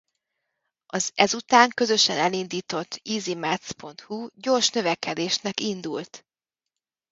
Az ezután közösen elindított easymaths.hu gyors növekedésnek indult.